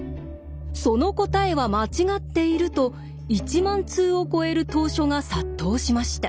「その答えは間違っている」と１万通を超える投書が殺到しました。